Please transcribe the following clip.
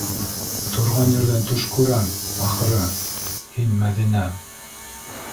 - Торған ерҙән төш күрәң, ахыры, һин, Мәҙинә!